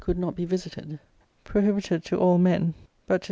could not be visited, prohibited to all men but to certai.